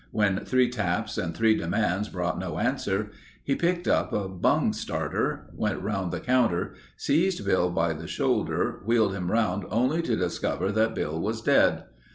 When three taps and three demands brought no answer, he picked up a bung starter; went around the counter, seized Bill by the shoulder, wheeled him around only to discover that Bill was dead.